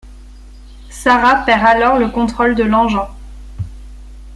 Sara perd alors le contrôle de l'engin.